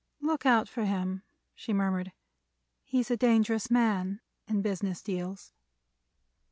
"Look out for him," she murmured. "He's a dangerous man—in business deals."